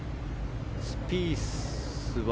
スピースは。